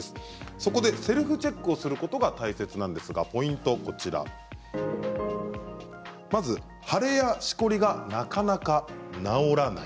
そこでセルフチェックをすることが大切なんですが、ポイントはまず、腫れやしこりがなかなか治らない。